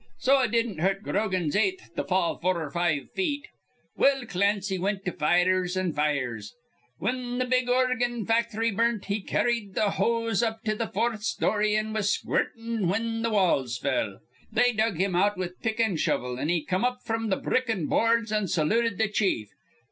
So it didn't hurt Grogan's eighth to fall four 'r five feet. "Well, Clancy wint to fires an' fires. Whin th' big organ facthry burnt, he carrid th' hose up to th' fourth story an' was squirtin' whin th' walls fell. They dug him out with pick an' shovel, an' he come up fr'm th' brick an' boards an' saluted th' chief.